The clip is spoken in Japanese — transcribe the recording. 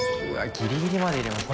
ギリギリまで入れますね。